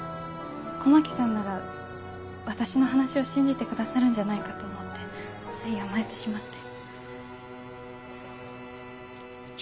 狛木さんなら私の話を信じてくださるんじゃないかと思ってつい甘えてしまって。